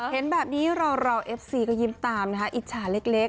เห็นแบบนี้เราเอฟซีก็ยิ้มตามนะคะอิจฉาเล็ก